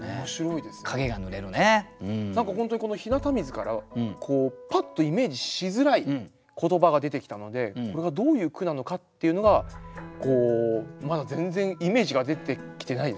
何か本当にこの「日向水」からパッとイメージしづらい言葉が出てきたのでこれがどういう句なのかっていうのがまだ全然イメージが出てきてないです。